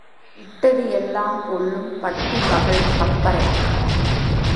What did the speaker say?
இட்டது எல்லாம் கொள்ளும் பட்டி மகள் கப்பரை.